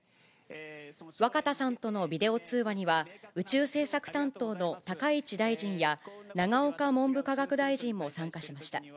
若田さんとのビデオ通話には、宇宙政策担当の高市大臣や永岡文部科学大臣も参加しました。